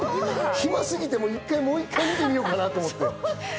暇すぎて、もう１回見てみようかなって。